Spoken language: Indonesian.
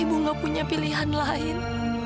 ibu gak punya pilihan lain